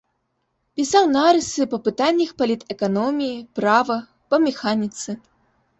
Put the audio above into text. Пісаў нарысы па пытаннях палітэканоміі, права, па механіцы.